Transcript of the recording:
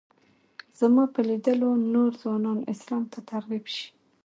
زما په لیدلو نور ځوانان اسلام ته ترغیب شي.